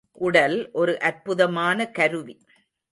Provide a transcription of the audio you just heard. உடல் ஒரு அற்புதமான கருவி.